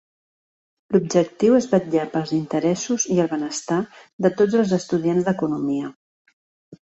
L'objectiu és vetllar pels interessos i el benestar de tots els estudiants d'economia.